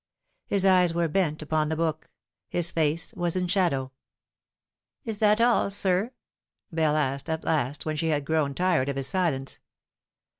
His eyes were bent upon the book ; his face was in shadow. " Is that all, sir ?" Bell asked at last, when she had grown tired of his silence.